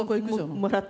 もらって。